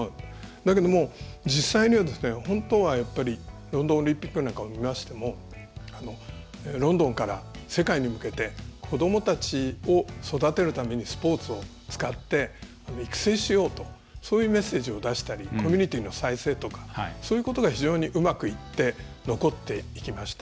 だけども、実際には本当はロンドンオリンピックなんかを見ましてもロンドンから世界に向けて子どもたちを育てるためにスポーツを使って育成しようとそういうメッセージを出したりコミュニティーの再生とかそういうことがうまくいき残っていきました。